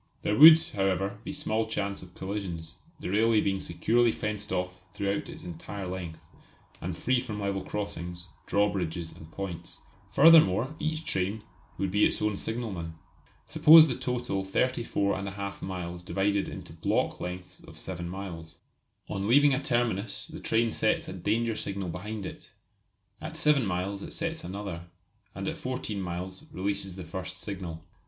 There would, however, be small chance of collisions, the railway being securely fenced off throughout its entire length, and free from level crossings, drawbridges and points. Furthermore, each train would be its own signalman. Suppose the total 34 1/2 miles divided into "block" lengths of 7 miles. On leaving a terminus the train sets a danger signal behind it; at 7 miles it sets another, and at 14 miles releases the first signal.